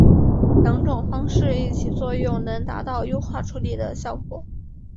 两种方法一起作用能达到优化处理的效果。